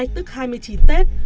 tức hai mươi chín tết